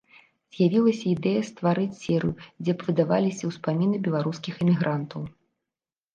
З'явілася ідэя стварыць серыю, дзе б выдаваліся ўспаміны беларускіх эмігрантаў.